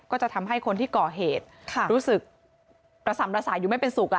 ก็จะทำให้คนที่ก่อเหตุรู้สึกระส่ำระสายอยู่ไม่เป็นสุข